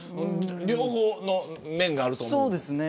両方の面があると思います。